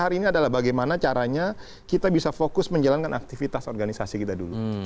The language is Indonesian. hari ini adalah bagaimana caranya kita bisa fokus menjalankan aktivitas organisasi kita dulu